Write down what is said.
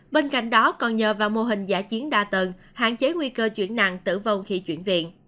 bên cạnh đó còn nhờ vào mô hình giả chiến đa tầng hạn chế nguy cơ chuyển nặng tử vong khi chuyển viện